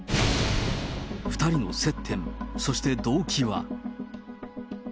２人の接点、そして動機は。